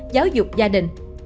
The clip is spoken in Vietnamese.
giáo dục gia đình